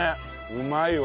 うまいわ。